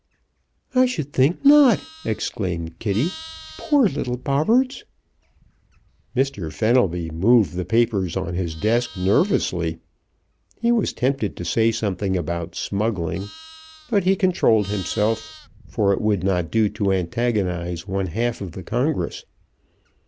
"I should think not!" exclaimed Kitty. "Poor little Bobberts!" Mr. Fenelby moved the papers on his desk nervously. He was tempted to say something about smuggling, but he controlled himself, for it would not do to antagonize one half of congress.